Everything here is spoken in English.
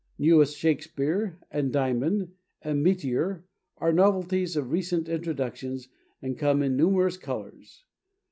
Newest Shakespeare and Diamond and Meteor are novelties of recent introduction, and come in numerous colors.